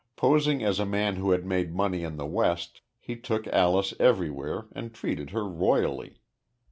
Posing as a man who had made money in the West, he took Alyce everywhere and treated her royally.